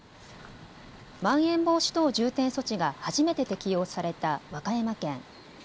まん延防止等重点措置が初めて適用された和歌山県。